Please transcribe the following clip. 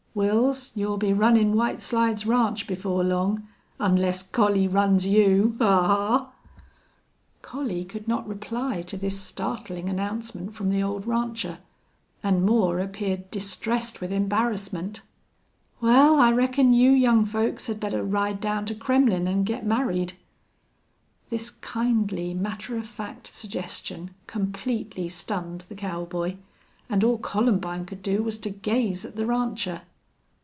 "Wils, you'll be runnin' White Slides Ranch before long, unless Collie runs you. Haw! Haw!" Collie could not reply to this startling announcement from the old rancher, and Moore appeared distressed with embarrassment. "Wal, I reckon you young folks had better ride down to Kremmlin' an' get married." This kindly, matter of fact suggestion completely stunned the cowboy, and all Columbine could do was to gaze at the rancher.